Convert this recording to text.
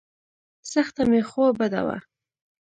سخته مې خوا بده وه.